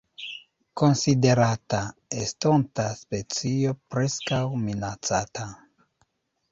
Konsiderata estonta specio Preskaŭ Minacata.